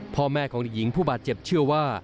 พ่อแม่ของเด็กหญิงผู้บาดเจ็บเชื่อว่า